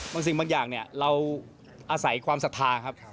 บางสิ่งบางอย่างเราอาศัยความศรัทธาครับ